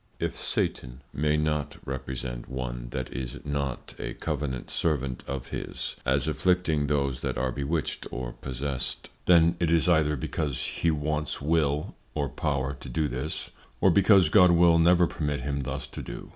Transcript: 3. _If Satan may not represent one that is not a Covenant Servant of his, as afflicting those that are bewitched or possessed, then it is either because he wants Will, or Power to do this, or because God will never permit him thus to do.